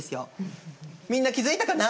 みんな気付いたかな？